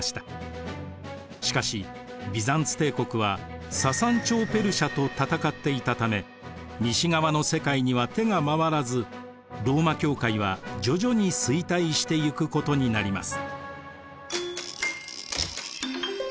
しかしビザンツ帝国はササン朝ペルシアと戦っていたため西側の世界には手が回らずローマ教会は徐々に衰退していくことになります。